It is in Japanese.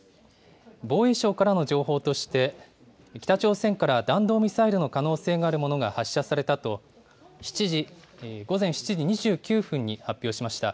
防衛省からの情報として、北朝鮮から弾道ミサイルの可能性があるものが発射されたと、午前７時２９分に発表しました。